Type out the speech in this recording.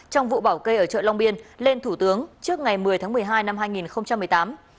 trong vụ bảo kê ở chợ long biên lên thủ tướng trước ngày một mươi tháng một mươi hai năm hai nghìn một mươi tám